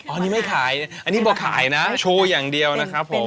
อันนี้ไม่ขายอันนี้พอขายนะโชว์อย่างเดียวนะครับผม